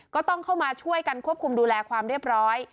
ก็ต้องเข้ามาช่วยกันควบคุมดูแลความเรียบร้อย